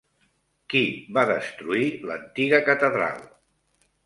Qui va destruir l'antiga catedral?